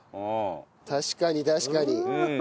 確かに確かに。